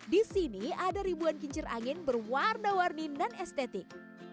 di sini ada ribuan kincir angin berwarna warni non estetik